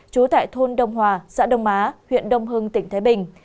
trú tại thôn đông hòa xã đông á huyện đông hưng tỉnh thái bình